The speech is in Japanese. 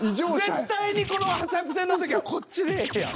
絶対にこの作戦の時はこっちでええやん。